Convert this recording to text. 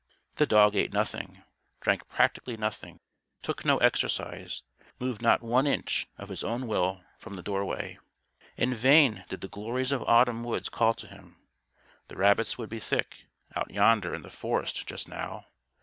The dog ate nothing, drank practically nothing, took no exercise; moved not one inch, of his own will, from the doorway. In vain did the glories of Autumn woods call to him. The rabbits would be thick, out yonder in the forest, just now.